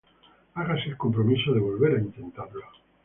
hágase el compromiso de volver a intentarlo